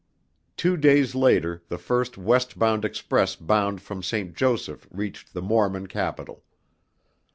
Two days later, the first west bound express bound from St. Joseph reached the Mormon capital.